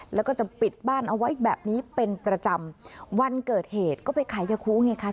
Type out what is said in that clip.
แล้วก็จะปิดบ้านเอาไว้แบบนี้เป็นประจำวันเกิดเหตุก็ไปขายยาคู้ไงคะ